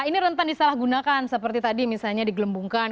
ini rentan disalahgunakan seperti tadi misalnya digelembungkan